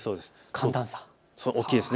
寒暖差大きいです。